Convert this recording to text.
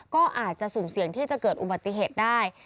ก็อาจจะสุ่มเสี่ยงที่จะเกิดอุบัติเหตุได้